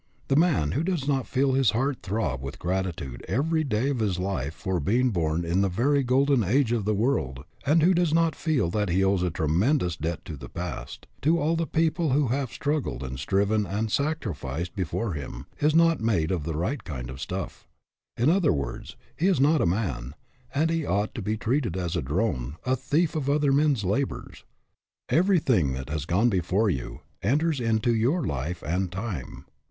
The man who does not feel his heart throb with gratitude every day of his life for being born in the very golden age of the world, and who does not feel that he owes a tremendous debt to the past, to all the people who have struggled and striven and sacrificed before him, is not made of the right kind of stuff. In other words, he is not a man, and he ought to be treated as a drone, a thief of other men's labors. Everything that has gone before you, enters into your life and time.